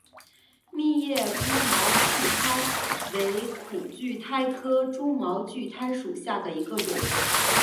密叶蛛毛苣苔为苦苣苔科蛛毛苣苔属下的一个种。